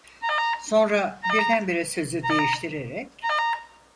Sonra birdenbire sözü değiştirerek: